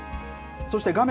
そして画面